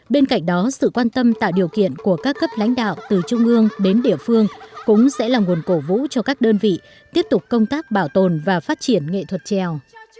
bên cạnh đó sự quan tâm tạo điều kiện của các cấp lãnh đạo từ trung ương đến địa phương cũng sẽ là nguồn cổ vũ cho các đơn vị tiếp tục công tác bảo tồn và phát triển nghệ thuật trèo